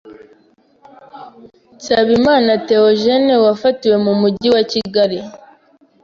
Nsabimana Theogene wafatiwe mu Mujyi wa Kigali.